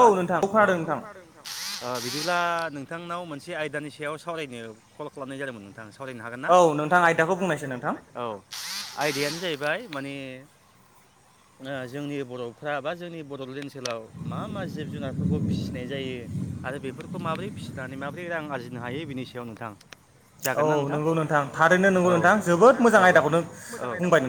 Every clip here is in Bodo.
हा औ बिदिब्ला नोंथां। बिथांनाव मोनसे आयदानि सायाव सावरायनो कल खालामनाय जादोंमोन नों थां सावरायनो हागोन ना औ नोंथां आयदाखौ बुंनायसाय औ आयदायानो जाहैबाय माने आ जोंनि बर'फ्रा बा जोंनि बड'लेण्ड ओनसोलाव मा मा जिब-जुनारफोरखौ फिसिनाय जायो आरो बेफोरखौ माबोरै फिसिनानै माबोरै रां आरजिनो हायो बेनि सेयाव नोंथां जागोन ना नोंथां औ नंगौ नोंथां थारैनो नंगौ नोंथां जोबोद मोजां आयदाखौनो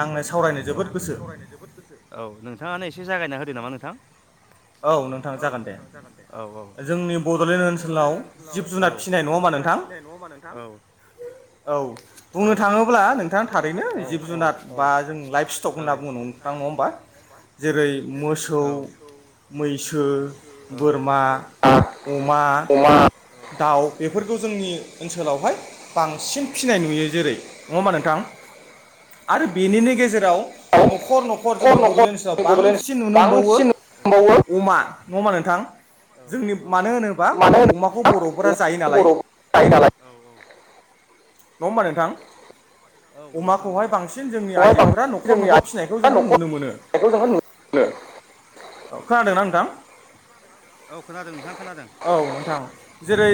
बुंबाय नोंथाङा। औ आङो सावरायनो जोबोद गोसो औ नोंथाङानो एसे जागायना होदो नामा नों औ नोंथाङा जागोन दे जोंनि बड'लेण्ड ओनसोलाव जिब-जुनार फिसिनाय नङा जुनाद फिसिनाय नङा होमा नोंथां औ बुंनो थाङोब्ला औ औ औ औ होनना बुंङो नोंथां नङा होमबा जेरै मोसौ मैसो, बोरमा, अमा दाउ बेफोरखौ जोंनि ओनसोलावहाय बांसिन फिनाय नुयो जेरै नङा होमबा नोंथां। नंगौ नोथां। आरो बेेजेराव न'ख न'खर बड'लेण्ड बांसिन मावो। [inaudible] [inaudible] नङा होमबा नोंथां अमाखौहाय बांसि न जोंनि आइजोफोरा न'खर न'खर फिसिनायखौ जोङो नुनो मोनो। औ खोनादोंना नोंथां। औ खोनादों नोंथां खोनादों। जेरै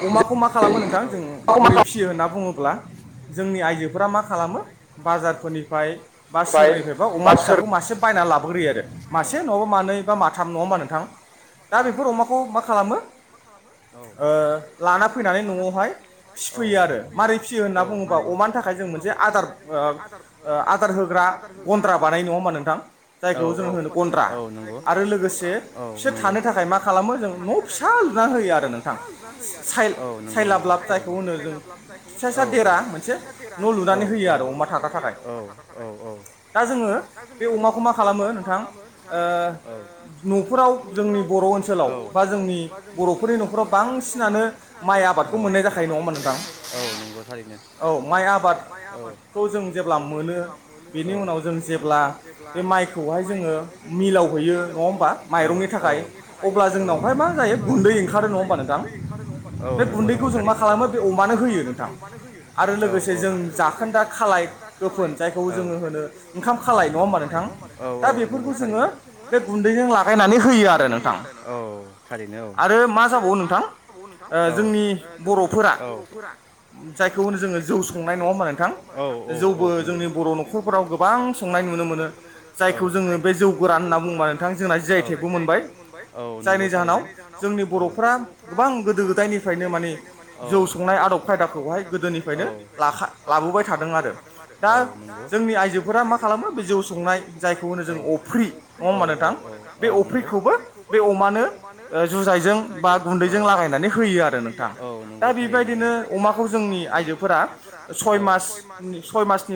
अमाखौ मा खालामो नोंथां जों बोरै फियो होनना बुङोब्ला। जोंनि आइजोफोरा मा खालामो बाजारफोरनिफ्राय बा सोरनिफ्रायबा अमा फिसाखौ मासे बाय ना लाबोग्रोयो आरो मासे नंआबा मासे न'आव मानै बा माथाम न'आव मानो औ दा बेफोर अमाखौ मा खालामो औ। लाना फैनानै न'आवहाय फिफैयो आरो मारै फिसियो होनना बुङो बा अमानि थाखाय जों मोनसे आदार ओ ओ आदार होग्रा गन्द्रा बानायो नङा होमबा नोंथां। जायखौ जोङो होनो गन्द्रा जायखौ होनो जों गन्द्रा औ लोगोसे बिसोर थानो थाखाय मा खालामो जों न' फिसा लुनानै होयो औ नंगौ नंगौथारैनो औ औ औ औ लुनानै होयो आरो औ औ औ। दा जोङो बे अमाखौ मा बे अमाखौ मा खालामो ओ न'फोराव जोंनि बर' ओनसोलाव बा जोंनि बर'फोरनि न'खराव बांसि बांसिनानो माइ आबादखौ मोननाय जाखायो नङा होमबा नोंथां औ माइ आबाद। खौ जों जेब्ला मोनो बेनि उनाव जों जेब्ला बे माइखौहाय जोङो मिलाव हैयो नङा होमबा माइरंनि थाखाय अब्ला जोंनाव ओमफाय मा जायो गुन्दै ओंखारो नङा होमबा नोंथां। औ नंगौ नंगौ थारैनो बे गुन्दैखौ जों मा खालामो जों अमानो होयो आरो लोगोसे औ औ। खोनदा खालाय गोफोन जायखौ जोङो होनो ओंखाम खालाय ओंखाम खालाम नङा होमबा नोंथां औ औ नंगौ। थरैनो जोङो बे गुन्दैजों लागायनानै होयो आरो औ थारैनो औ आरो म नोंथां औ ओ जोंनि औफोरा। जायखौ जोंङो जौ संनाय नङा ओमबा नोंथां औ औ औ औ जौखौ जोंनि बर' न'खरफोराव गोबां। संनाय नुनो मोनो जायखौ जोङो बे जौ गोरान होनना बुंबा नोंथां जोंहा जियाइथेगखौ मोनबाय औ जोनाव जोंनि बर' फ्रा गोबां गोदो गोदायनिफ्रायनो माने जौ संनाय आदब खायदाखौहाय गोदोनिफ्रायनो ल लाबोबाय थादों आरो दा जोंनि आइजोफोरा मा खालामो खालामो बे जौ संनाय जायखौ होनो नो जों अफ्रि औ औ औ औ नंगौ बेअफ्रिखौबो बे अमानो जुजाइजों औ गुन्दैजों लागायनानै होयो आरो औ नंगौ थारैनो बेबायदिनो अमाखौ जोंनि आइजोफोरा औ। सय मास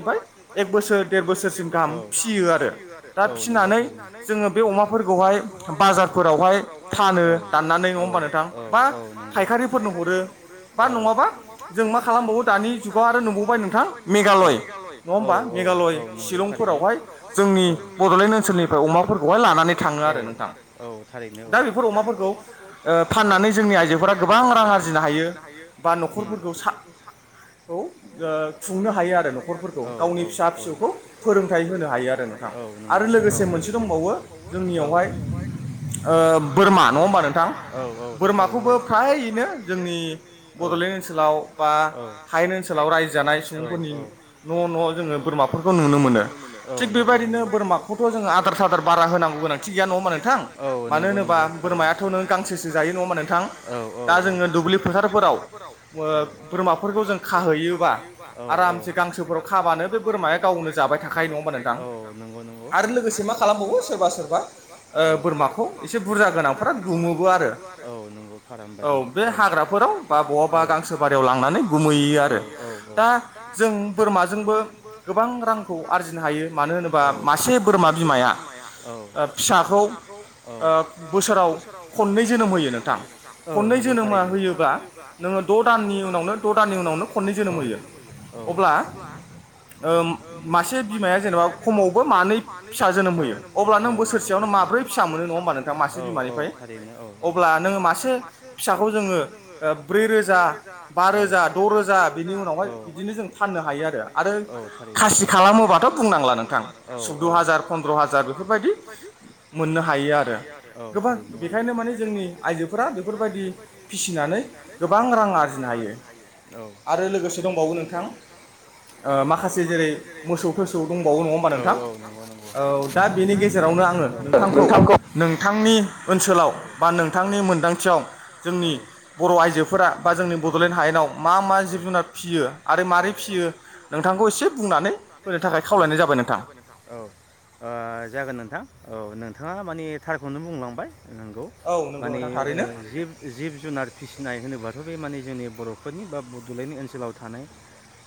सय मासनिफाय एक बोसोर देर बोसोरसो औ गाहाम फियो आरोऔ। फिनानै जोङो बे अमाफोरखौहाय बाजारफोरावहाय फानो दाननानै नङा होमबा औ नोंथां। औ नंगौ फायखारिफोरनो हरो औ बा नङाबा जों मा खालामबावो दानि जु नुवा आरो नुबावबाय नोंथां औ औ औ नंगौ थारै फोरावहाय जोंनि जोंनि बर'लेण्ड ओनसोलनिफाय अमाफोरखौहाय लानानै थाङो आरो औ थारैनो औ दा बेफोर अमाफोरखौ। फाननानै जोंनि आइजोफोरा गोबां रां आरजिनो हायो बा न'खरफोरखौ खौ ओ खुंनो हायो आरो न'खरफोरखौ गावनि फिसा फिसौखौ फोरों फिथाइ होनो हायो आरो नोंथां। औ नंगौ औ लोगोसे मोनसे दंबावो औ गामियावहाय। बोरमा नङा होमबा नोंथां औ औ थारैनो बोरमाखौबो फ्रायनो जोंनि औ ओनसोलाव बा हायेन ओनसोलाव रायजो जानाय सुबुंफोरनि न' न' जोङो बोरमाफोरखौ नुनो मोनो। मोनो थिग बेबायदिनो बेबायदिनो बोरमाखौबो जोङो आदार सादार बारा होनांगौ गोनांथि गैया नङा होमबा नोंथां औ नंगौ नंगौ थारैनो मानो होमबा बोरमाया थ गांसोसो जायो नङा होनबा‌ नोथां औ औ औ दा जोङो दुब्लि फोथारफोराव औ बोरमाफोरखौ जों। हैयोबा आरामसे गांसोफोराव खाबानो बे बोरमाया गावनो जा गावनो जाबाय थाखायो नोंथां औ नंगौ। बा नंगौ आरो लोगोसे मा खालामबावो सोरबा सोरबा बोरमाखौ एसे बुरजा गोनांफोरा नंगौ आरो औ नंगौ फाराम बादि औ बे हाग्राफोराव बा बवावबा गांसो बारियाव लांनानै गुमैयो। दा जों बोरमाजोंबो गोबां रांखौ आरजिनो हायो मानो होनोबा। होनबा मासे बोरमा बिमाया औ फिसाखौ ओ बोसोराव। खननै जोनोम होयो नोंथां औ नंगौ जोनोमा होयोबा नोङो द' दाननि उनावनो द' दाननि उनाव जोनोमयो अब्ला ओम मासे बिमाया जेनेबा खमावब समावबो मानै फिसा जोनोम होयो अब्लानो बोसोरसेयावनो माब्रै फिसा मोनो नङा मोनो‌ नंङा नोंथां औ औ थारैनो। अब्ला नोङो मासे फिसाखौ जोङो ब्रै रोजा बा रोजा द' रोजा दा बिनि उनावहाय बिदिनो जों फाननो हायो आरो खासि खालामोबाथ' बुंनांला नोंथां। सुयद' हाजार फन्द्र' हाजार बेफोरबायदि मोननो हायो आरो गोबां बेखायनो म माने जोंनि आइजोफोरा बेफोरबायदि फिसिनानै गोबां रां आरजिनो हायो। आरो लोगोसे दंबावो नोंथां माखासे जेरै मोसौ थोसौ दंबावो नङा होमबा नोंथां। थां औ दा बेनि गेजेरावनो आङो नोंथांखौ नोंथांनि ओनसोलाव ओनसोलाव औ बा नोंथांनि मोनदांथियाव औ जोंनि बर' आइजोफोरा औ जोंनि बड'लेण्ड हायेनाव। जिब जुनार फियो आरो मारै फिसियो नोंथांखौ एसे बुंनानै होनो थाखाय खावलायनाय जाबाय नोंथां। औ ओ जागोन नोंथां औ नोंथाङा माने थारखौनो बुंलांबाय। नंगौ माने जिब जिब जुनार फिसिनाय होनोबाथ' बे माने जोंनि बर'फोरनि बा बड'लेण्ड ओनसोलाव थानाय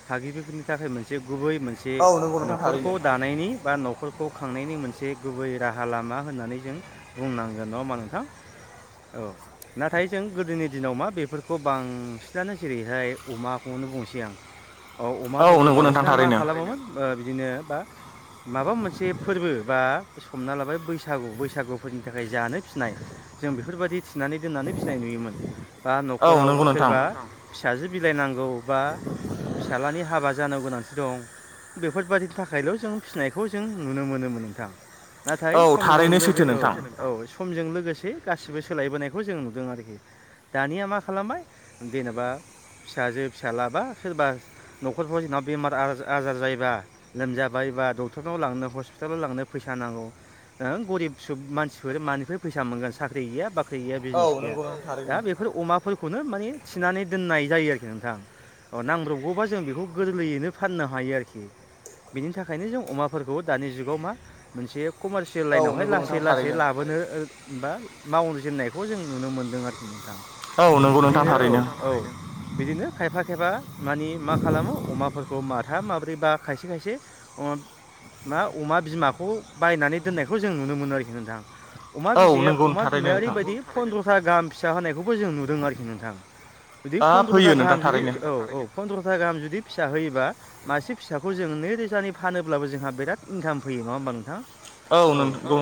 थागिबिफोरनि थाखाय मोनसे गुबै मोनसे न'खरखौ दानायनि बा न'खरखौ खांनायनि मोनसे गुबै राहा लामा होननानै जों बुंनांगोन नङा होनबा नोंथां औ नाथाय जों गोदोनि दिनाव मा बेफोरखौ बांसिनानो जेरैहाय अमा गन बुंसै आं औ अमा फोर खौ बांसिन मा खालामोमोन बिदिनो बा माबा मोनसे फोरबो बा समना लाबाय बैसागु बैसागुफोरनि थाखाय जानो फिसिनाय जों बेफोरबायदि थिनानै दोननानै फिसिनाय नुयोमोन बा न'खराव ओ नोंथां ओ सोरबा फिसाजो बिलाइनांगौ बा फिसलानि हाबा ज नाव गोनांथि दं बेफोरबायाददिनि थाखायल' जों फिसिनायखौ जों नुनो मोनोमोन नोंथां। नाथाय समजों औ औ समजों लोगोसे गासिबो सोलायबोनायखौ बेखौ जों नुदों आरोखि दानिया मा खालामबाय जेनेबा फिसाजो फिसालाबा सोरबा नख जोंनाव बेमार आजार जायोबा लोमजाबायबा डक्टरनाव लांनो हस्पिटालाव लांनो फैसा नांगौ ओं गोरिब सुबुं मानसिफोर मानिफ्राय फैसा मोनगोन साख्रि गैया बा ख्रि गैया बिजनेस गैया दा बेफोर अमाफोरखौनो माने थिनानै दोननाय जायो आरोखि नोंथां औ नांब्रबगौबा जों बेखौ गोरलैयैनो फाननो हायो आरोखि बिनि थाखायनो जों अमाफोरखौ दानि जुगाव मा मोनसे कमारसियेल लाइनावहाय लासै लासै लाबोनो बा मावजेननायखौ जों नुनो मोनदों आरोखि नोंथां। बिदिनो औ औ बिदिनो खायफा खायफा मानि मा खालामो फोरखौ माथाम माब्रै बा खायसे खायसे ओ मा अमा बिमाखौ बायनानै दोननायखौ जों नुनो मोनो आरोखि नोंथां। अमा बिया अमा बिमाया ओरैबायदि फन्द्र'था गाहाम फिसा होनायखौ जों नुदों आरोखि नोंथां जुदि पन्द्रथा गाहाम जुदि ओ ओ पन्द्रथा‌ गाहाम जुदि फिसा होयोबा मासे फिसाखौ जों नैरोजानि फानोब्लाबो जोंहा बिराद इनकाम फैयो नङा होमबा नोंथां। औ औ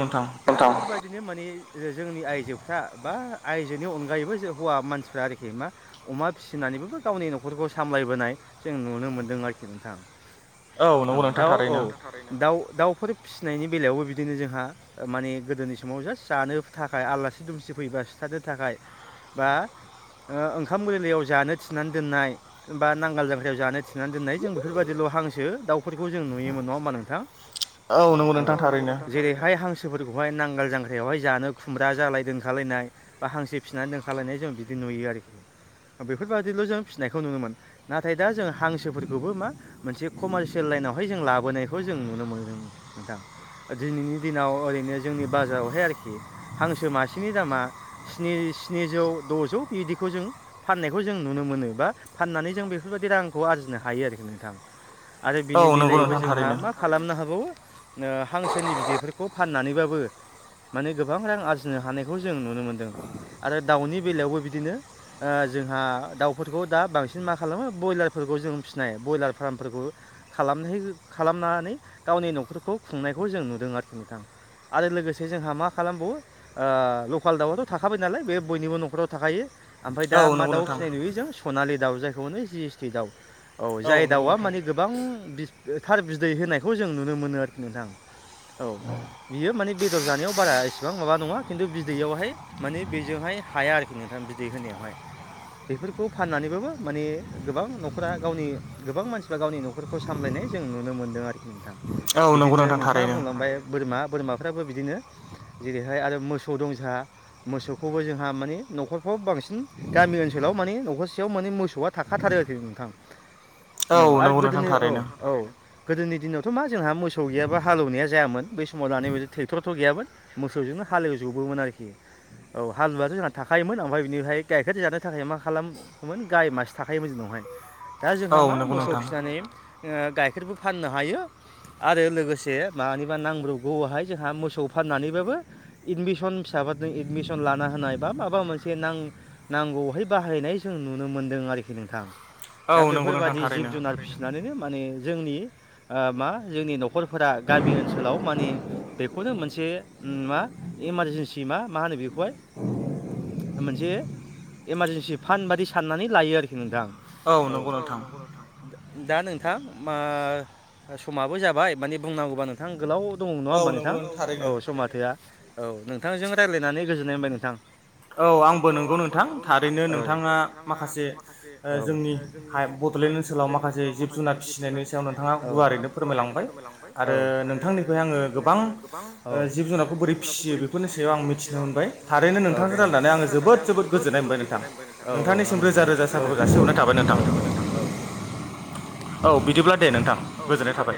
खन्थाम बिदिनो माने जोंनि आइजोफ्रा बा आइजोनि अनगायैबो हौवा मानसिफ्रा आरोखि मा अमा फिसिनानैबो गावनि न'खरखौ सामलायबोनाय जों नुनो मोन्दों आरोखि नोंथां। औ दाउ औ दाउ-दाउफोर फिसिनायनि बेलायावबो बिदिनो जोंहा माने गोदोनि समाव जास्ट जानो थाखाय आलासि-दुमसि फैयोबा सिुथारनो थाखाय बा ओ ओंखाम गोरलैयाव जानो थिनानै दोननाय बा नांगाल जा हाखायाव जानाय थिनानै दोन्नाय जों बेफोरबायदिल' हांसो दाफोरखौ जों नुयोमोन नङा होमबा नोंथां। जेरैहाय हांसो बसोफोरखौहाय नांगोल जांख्रायावहाय जानो खुमब्रा जालाय दोनंखारलायनाय बा हांसे फिनानै दोनखलायनाय जों बिदिनो नुयो आरोखि बेफोरबायादिल' जों फिसिनायखौ नुनो मोनो ना नाथाय दा जों हांसोफोरखौबो मा मोनसे कमारसियेल लाइनावहाय जों लाबोनायखौ जों नुनो मोनदों नोंथां। दिनैनि दिनाव ओरैनो जोंनि बाजारावहाय आरोखि हांसो मासेनि दामा स्नि स्निजौ द'जौ बिदिखौ जों फाननायखौ जों नुनो मोनो बा फाननानै जों बे बेफोरबायदि रांखौ आरजिनो हायो आरोखि नोंथां आरो बिनि बेलायैबो जोंहा मा खालामनो हाबावो ओ हांसोनि बिदैफोरखौ फाननानैबाबो माने गोबां रां आरजिनो हानायखौ जों जों नुनो मोनदों आरो दाउनि बे बेलायावबो बिदिनो ओ जोंहा दाउफोरखौ दा बांसिन माखा खालामो ब्रयलारफोरखौ जों फिसिनाय ब्रयलार फार्मफोरखौ खालानो हो खालामनानै गावनि न' न'खरखौ खुंनायखौ जों नुदों आरोखि नोंथां। आरो लोगोसे जोंहा मा खालामबावो ओ लकेल दाउआथ' थाखाबाय नालाय बे बयनिबो न'खराव थाखायो। ओमफ्राय दा मा दाउ फिनाय नुयो जों सनालि दाउ जायखौ होनो‌ जि एस टि दाउ औ जाय दाउआ माने गोबां बि थार बिदै होनायखौ जों नुनो मोनो आरोखि नोंथां। औ बियो माने बेदर जानायाव बारा इसेबां माबा नङा। खिन्थु बिदैयावहाय माने बेजोंहाय हाया आरोखि नोंथां बिदै होनायावहाय। बेफोरखौ फाननानैबाबो माने गोबां न'खरा गावनि गोबां मानसिफ्रा गावनि न'खरखौ सामलायनाय जों नुनो मोनदों आरोखि नोंथां। बिदिनो नोंथाङा बुंलांबाय बोरमा। बोरमाफ्राबो बिदिनो जेरैहाय आरो मोसौ दं जोंहा मोसौखौबो जोंहा माने न'खरफ्राव बांसिन गामि ओनसोलाव माने न'खरसेयाव माने मोसौआ थाखाथारो आरोखि नोंथां। औ आरो गोदोनि औ औ। गोदोनि दिनावथ' मा जोंहा मोसौ गैयाबा हालौनाय जायामोन। बै समाव दानि बायदि टेक्टरथ' गैयामोन। मोसौजोंनो हालेवजोबोमोन आरोखि। औ हालुवाथ' जोंना थाखायोमोन ओमफाय बिनिफाय गाइखेर जानो थाखाय मा खालामोमोन गाय मासे थाखोमोन जोंनावहाय। दा जोंहा मा मोसौ फिसिनानै गाइखेरबो फाननो हायो। आरो लोगोसे मानिबा नांब्रबगौवावहाय जोंहा मोसौ फाननानैबाबो इमबासन फिसा माबा एडमिसन लाना होनाय बा माबा मोनसे नां-नांगौहाय बाहायनाय जों नुनो मोनदों आरोखि। खि नोंथां। दा बेफोरबादि जिब जुनार फिसिनानैनो माने जोंनि ओ मा जोंनि न'खरफोरा गामि ओनसोलाव माने बेखौनो मोनसे से मा एमारजेन्सि मा मा होनो बेखौहाय? मोनसे एमारजेन्सि फान्ड बादि साननानै लायो आरो खि नोंथां औ। दा-दा नोंथां मा समाबो जाबाय, माने बुंनांगौबा नोंथां गोलाव दङ नङा होनोमबा नोंथां? औ समा थोआ औ। नोंथांजों रायलायनानै गोजोननाय मोनबाय नोंथां। औ आंबो नंगौ नोंथां थारैनो नोंथाङा माखासे जोंनि हाय बड'लेण्ड ओनसोलाव माखासे जिब जुनार फिसिनायनि सायाव नोंथाङा गुवारैनो फोरमाय लांबाय आरो नोंथांनिफ्राय आङो गोबां ओ जिब जुनारखौ बोरै फिसियो बेफोरनि सायाव आं मिथिनो मोनबाय थारैनो नों थांजों रायनानै आं जोबोद जोबोद गोजोननाय मोनबाय नोंथां। नोंथांसिम रोजा रोजा औ औ औ औ। औ बिदिब्ला दे नोंथां गोजोननाय थाबाय।